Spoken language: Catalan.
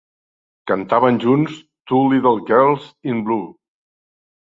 Cantaven junts "Two Little Girls in Blue".